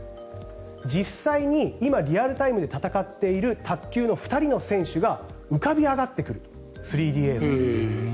実際に今、リアルタイムで戦っている卓球の２人の選手が３Ｄ映像で浮かび上がってくる。